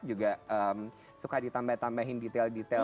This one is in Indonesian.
juga suka ditambahin detail detail